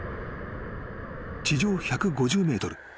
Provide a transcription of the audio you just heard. ［地上１５０ｍ。